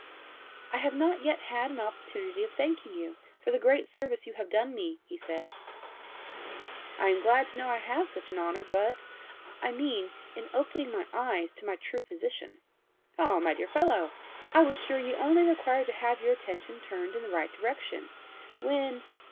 "I have not yet had an opportunity of thanking you for the great service you have done me," he said. "I am glad to know I have such an honour; but " "I mean, in opening my eyes to my true position." "Ah, my dear fellow! I was sure you only required to have your attention turned in the right direction. When